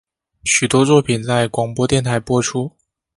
许多作品在广播电台播出。